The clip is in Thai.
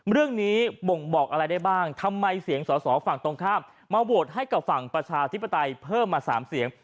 เรื่องนี้บ่งบอกอะไรได้บ้างทำไมเสียงสอสอฝั่งตรงข้ามมาโหวตให้กับฝั่งประชาธิปไตยเพิ่มมา๓เสียง